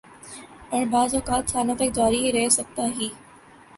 اوربعض اوقات سالوں تک جاری رہ سکتا ہی۔